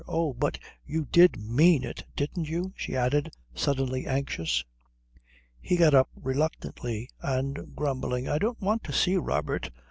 Oh, but you did mean it, didn't you?" she added, suddenly anxious. He got up reluctantly and grumbling: "I don't want to see Robert.